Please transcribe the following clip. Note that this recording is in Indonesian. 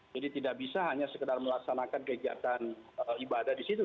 jadi tidak bisa hanya sekedar melaksanakan kegiatan ibadah di situ